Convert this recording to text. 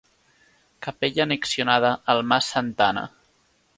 Capella annexionada al mas Santa Anna.